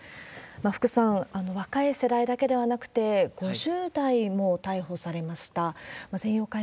福さん、若い世代だけではなくて、５０代も逮捕されました。